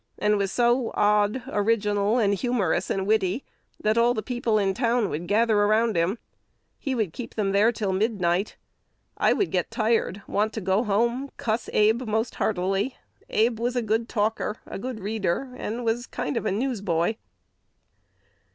and was so odd, original, and humorous and witty, that all the people in town would gather around him. He would keep them there till midnight. I would get tired, want to go home, cuss Abe most heartily. Abe was a good talker, a good reader, and was a kind of newsboy."